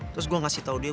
terus gue ngasih tau dia